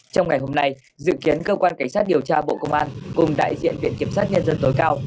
trong ngày hôm nay dự kiến cơ quan cảnh sát điều tra bộ công an cùng đại diện viện kiểm sát nhân dân tối cao